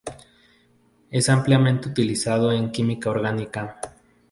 Es ampliamente utilizado en química orgánica.